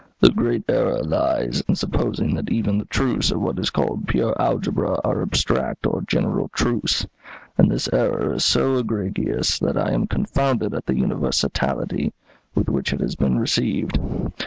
The great error lies in supposing that even the truths of what is called pure algebra are abstract or general truths. And this error is so egregious that I am confounded at the universality with which it has been received.